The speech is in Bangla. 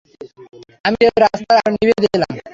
আমি গিয়ে রাস্তার আলো নিভিয়ে দিলাম।